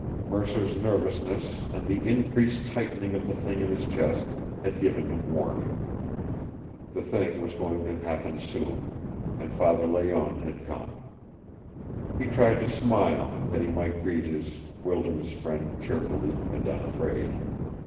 Mercer's nervousness and the increased tightening of the thing in his chest had given him warning. The thing was going to happen soon, and Father Layonne had come. He tried to smile, that he might greet his wilderness friend cheerfully and unafraid.